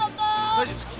大丈夫ですか？